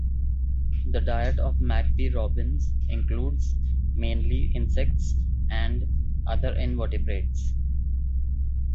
The diet of magpie robins includes mainly insects and other invertebrates.